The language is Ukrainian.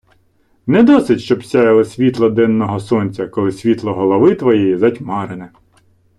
Не досить, щоб сяяло світло денного сонця, коли світло голови твоєї затьмарене.